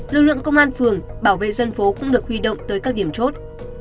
lực lượng công an phường bảo vệ dân phố cũng được huy động tới các điểm chốt